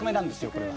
これは。